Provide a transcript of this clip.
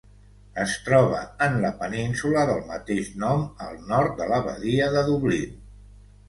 Es troba en la península del mateix nom al nord de la badia de Dublín.